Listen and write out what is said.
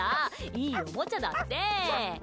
いいおもちゃだって！